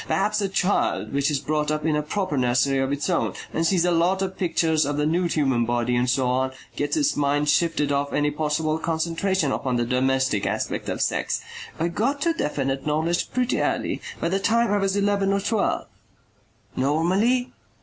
Perhaps a child which is brought up in a proper nursery of its own and sees a lot of pictures of the nude human body, and so on, gets its mind shifted off any possible concentration upon the domestic aspect of sex. I got to definite knowledge pretty early. By the time I was eleven or twelve." "Normally?"